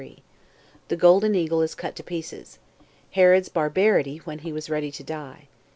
CHAPTER 33. The Golden Eagle Is Cut To Pieces. Herod's Barbarity When He Was Ready To Die.